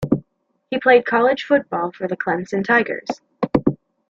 He played college football for the Clemson Tigers.